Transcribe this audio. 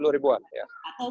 dua puluh ribuan ya